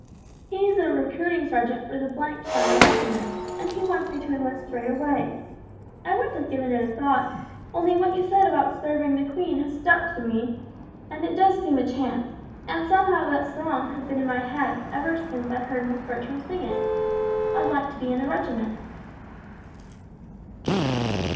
He's a recruiting sergeant for the shire regiment, and he wants me to enlist straight away. I wouldn't have given it a thought only what you said about serving the Queen has stuck to me, and it does seem a chance, and somehow that song has been in my head ever since I heard Miss Bertram sing it. I'd like to be in a regiment."